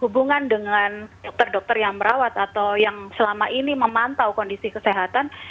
hubungan dengan dokter dokter yang merawat atau yang selama ini memantau kondisi kesehatan